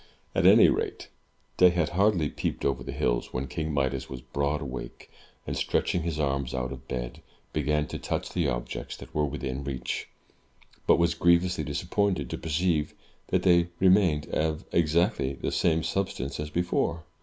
At any rate, day had hardly peeped over the hills, when King Midas was broad awake, and, stretching his arms out of bed, began to touch the objects that were within reach, but was grievously disappointed to perceive that they remained of exactly the same substance as before.